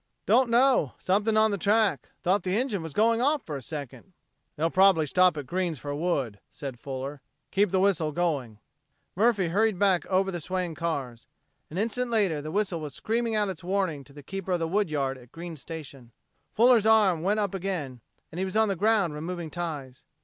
"Don't know. Something on the track. Thought the engine was going off for a second." "They'll probably stop at Green's for wood," said Fuller. "Keep the whistle going." Murphy hurried back over the swaying cars. An instant later the whistle was screaming out its warning to the keeper of the wood yard at Green's Station. Fuller's arms went up again, and he was on the ground removing ties.